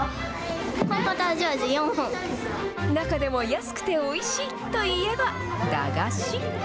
中でも、安くておいしいといえば、駄菓子。